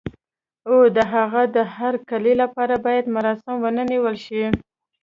او د هغه د هرکلي لپاره باید مراسم ونه نیول شي.